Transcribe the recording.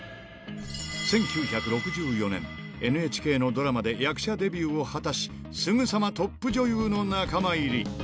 １９６４年、ＮＨＫのドラマで役者デビューを果たし、すぐさまトップ女優の仲間入り。